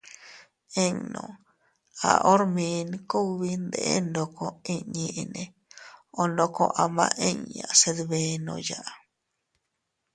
Innu..- A hormin kugbi ndeʼen ndoko inñiinne o ndoko ama inña se dbenoya.